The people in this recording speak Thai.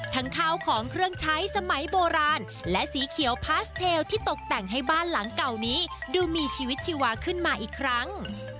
ข้าวของเครื่องใช้สมัยโบราณและสีเขียวพาสเทลที่ตกแต่งให้บ้านหลังเก่านี้ดูมีชีวิตชีวาขึ้นมาอีกครั้ง